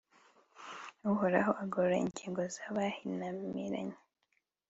uhoraho agorora ingingo z'abahinamiranye